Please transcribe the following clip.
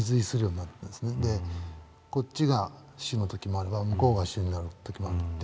こっちが主の時もあれば向こうが主になる時もあって。